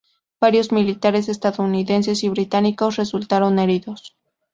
Varios militares estadounidenses y británicos resultaron heridos.